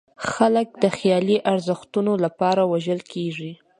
خلک د خیالي ارزښتونو لپاره وژل کېږي.